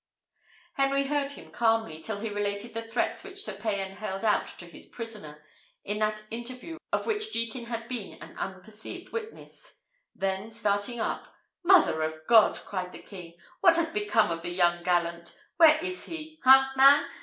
Henry heard him calmly, till he related the threats which Sir Payan held out to his prisoner, in that interview of which Jekin had been an unperceived witness; then starting up, "Mother of God!" cried the king, "what has become of the young gallant? Where is he? ha, man?